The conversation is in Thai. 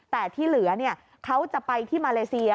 แต่ที่เหลือเขาจะไปที่มาเลเซีย